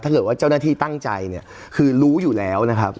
เจ้าหน้าที่ตั้งใจเนี่ยคือรู้อยู่แล้วนะครับ